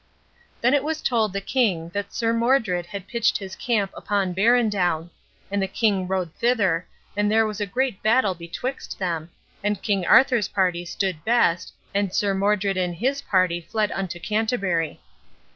Then was it told the king that Sir Modred had pitched his camp upon Barrendown; and the king rode thither, and there was a great battle betwixt them, and King Arthur's party stood best, and Sir Modred and his party fled unto Canterbury.